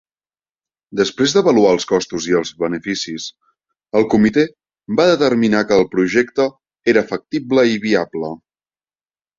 Després d'avaluar els costos i els beneficis, el comitè va determinar que el projecte era factible i viable.